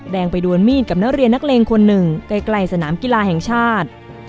แดงไปดวนมีดกับนักเรียนนักเลงคนหนึ่งใกล้สนามกีฬาแห่งชาติ